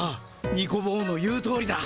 ニコ坊の言うとおりだ。